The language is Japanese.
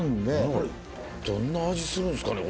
これどんな味するんですかね？